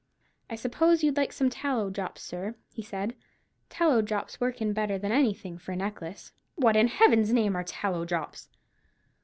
"I suppose you'd like some tallow drops, sir?" he said. "Tallow drops work in better than anything for a necklace." "What, in Heaven's name, are tallow drops?"